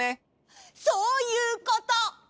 そういうこと！